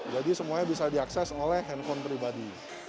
jadi semuanya bisa diakses oleh handphone pribadi